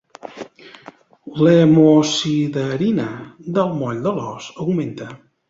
L'hemosiderina del moll de l'os augmenta.